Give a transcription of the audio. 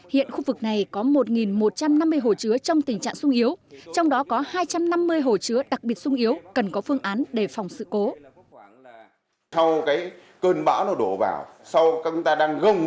hiện khu vực này có một một trăm năm mươi hồ chứa trong tình trạng sung yếu trong đó có hai trăm năm mươi hồ chứa đặc biệt sung yếu cần có phương án đề phòng sự cố